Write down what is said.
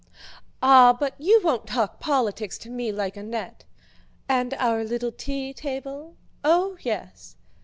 "Ah, but you won't talk politics to me like Annette!" "And our little tea table?" "Oh, yes!"